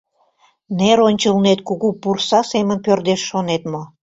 Нер ончылнет кугу пурса семын пӧрдеш шонет мо?